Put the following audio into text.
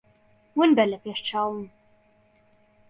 ون بە لە پێش چاوم.